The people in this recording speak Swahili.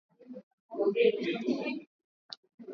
tayari ni dakika tisa mara baada